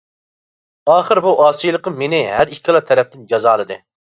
ئاخىر بۇ ئاسىيلىقىم مېنى ھەر ئىككىلا تەرەپتىن جازالىدى.